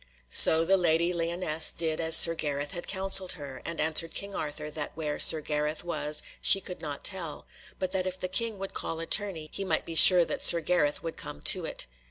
So the Lady Lyonesse did as Sir Gareth had counselled her, and answered King Arthur that where Sir Gareth was she could not tell, but that if the King would call a tourney he might be sure that Sir Gareth would come to it.